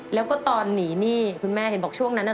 แล้วก็ตอนหนีหนี้คุณแม่เห็นบอกช่วงนั้นน่ะ